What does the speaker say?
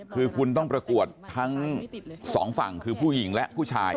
คือคุณต้องประกวดทั้งสองฝั่งคือผู้หญิงและผู้ชาย